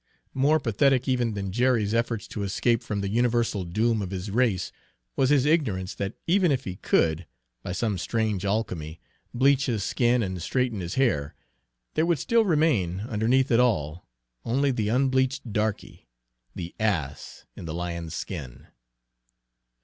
More pathetic even than Jerry's efforts to escape from the universal doom of his race was his ignorance that even if he could, by some strange alchemy, bleach his skin and straighten his hair, there would still remain, underneath it all, only the unbleached darky, the ass in the lion's skin.